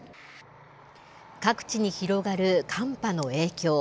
各地に広がる寒波の影響。